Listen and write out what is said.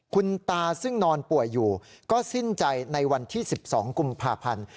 คุณตาซึ่งนอนป่วยอยู่ก็สิ้นใจในวันที่๑๒กุมภาพันธ์